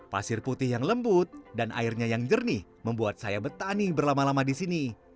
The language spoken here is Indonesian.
pasir putih yang lembut dan airnya yang jernih membuat saya bertani berlama lama di sini